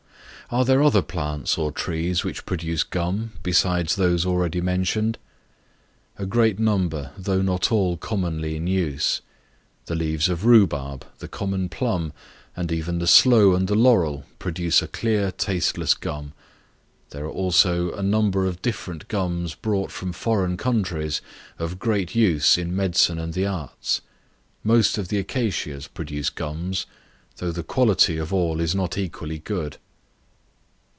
Are there other plants or trees which produce Gum, besides those already mentioned? A great number, though not all commonly in use. The leaves of rhubarb, the common plum, and even the sloe and the laurel, produce a clear, tasteless gum; there are also a number of different gums, brought from foreign countries, of great use in medicine and the arts. Most of the Acacias produce gums, though the quality of all is not equally good.